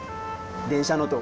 電車の音